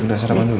kita sarapan dulu